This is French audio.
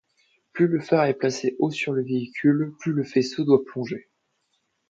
Plus le phare est placé haut sur le véhicule, plus le faisceau doit plonger.